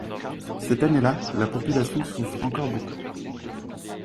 Cette année-là, la population souffre encore beaucoup.